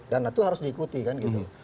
dan itu harus diikuti kan gitu